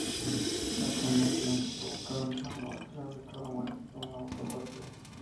La conmoción que provocaron esas muertes habilitó rumores de un autogolpe.